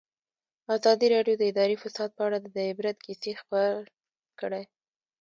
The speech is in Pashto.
ازادي راډیو د اداري فساد په اړه د عبرت کیسې خبر کړي.